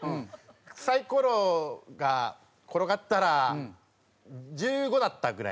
サイコロが転がったら１５だったぐらい。